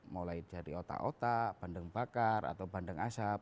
mulai dari otak otak bandeng bakar atau bandeng asap